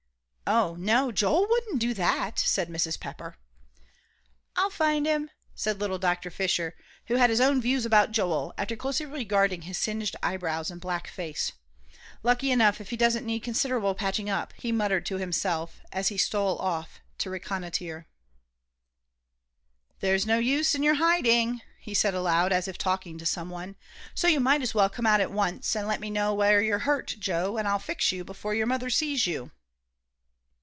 "Oh, no, Joel wouldn't do that," said Mrs. Pepper. "I'll find him," said little Dr. Fisher, who had his own views about Joel, after closely regarding his singed eyebrows and black face; "lucky enough if he doesn't need considerable patching up," he muttered to himself, as he strode off to reconnoitre. "There's no use in your hiding," he said aloud, as if talking to some one. "So you might as well come out at once, and let me know where you're hurt, Joe, and I'll fix you before your mother sees you."